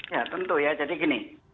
ya tentu ya jadi gini